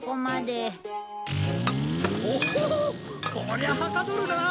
おおっこりゃはかどるな！